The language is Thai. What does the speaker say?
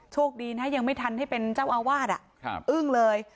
โชคดีนะยังไม่ทันให้เป็นเจ้าอาวาสอึ้งเลย